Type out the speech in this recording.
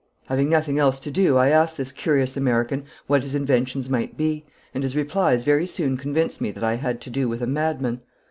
Having nothing else to do I asked this curious American what his inventions might be, and his replies very soon convinced me that I had to do with a madman.